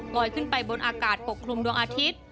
ลอยขึ้นไปบนอากาศปกคลุมดวงอาทิตย์